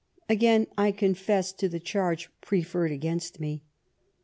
Again I confess to the charge prefen*ed agamst me.